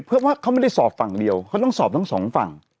เพื่อว่าเขาไม่ได้สอบฝั่งเดียวเขาต้องสอบทั้งสองฝั่ง